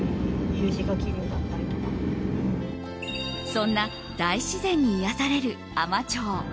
そんな大自然に癒やされる海士町。